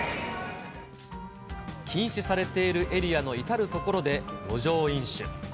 禁止されているエリアの至る所で路上飲酒。